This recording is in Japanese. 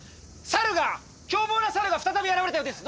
サルが凶暴なサルが再び現れたようです！